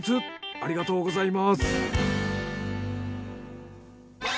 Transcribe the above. ありがとうございます。